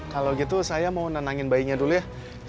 kalau gitu saya mau nenangin bayinya dulu ya